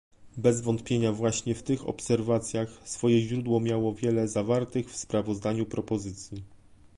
Bez wątpienia właśnie w tych obserwacjach swoje źródło miało wiele zawartych w sprawozdaniu propozycji